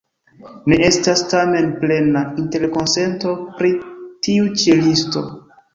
Ne estas tamen plena interkonsento pri tiu ĉi listo.